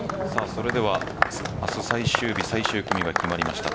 それでは明日最終日最終組が決まりました。